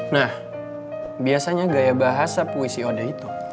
nah biasanya gaya bahasa puisi ode itu